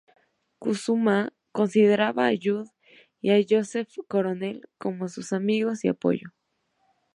Kusama consideraba a Judd y a Joseph Cornell como sus amigos y apoyo.